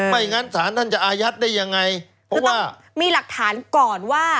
ไม่งั้นศาลท่านจะอายัดได้ยังไงเพราะว่ามีหลักฐานก่อนว่า